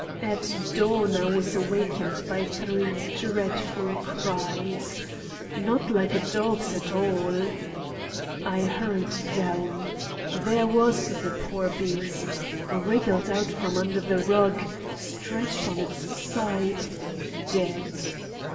At dawn I was awakened by three dreadful cries—not like a dog's at all. I hurried down. There was the poor beast—wriggled out from under the rug stretched on its side, dead.